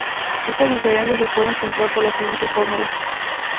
Esta diferencia se puede encontrar por la siguiente fórmula.